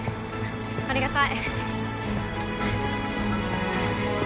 ありがたい。